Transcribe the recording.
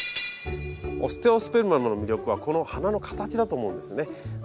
オステオスペルマムの魅力はこの花の形だと思うんですね。